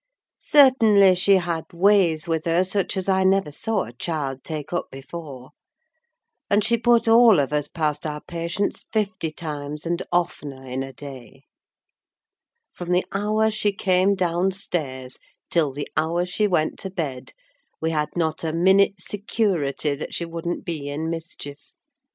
Certainly she had ways with her such as I never saw a child take up before; and she put all of us past our patience fifty times and oftener in a day: from the hour she came downstairs till the hour she went to bed, we had not a minute's security that she wouldn't be in mischief.